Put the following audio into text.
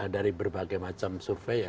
dari berbagai macam survei